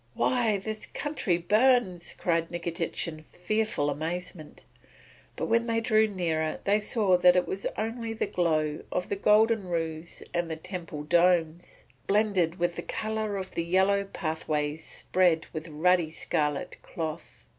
"Why, the country burns!" cried Nikitich in fearful amazement. But when they drew nearer they saw that it was only the glow of the golden roofs and the temple domes, blended with the colour of the yellow pathways spread with ruddy scarlet cloth.